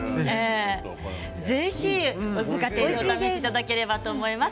ぜひお試しいただければと思います。